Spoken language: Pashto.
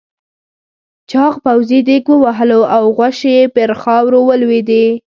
چاغ پوځي دېگ ووهلو او غوښې پر خاورو ولوېدې.